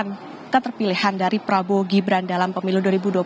dengan keterpilihan dari prabowo gibran dalam pemilu dua ribu dua puluh empat